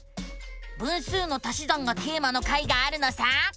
「分数の足し算」がテーマの回があるのさ！